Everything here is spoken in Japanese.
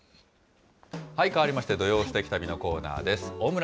変わりまして、土曜すてき旅のコーナーです。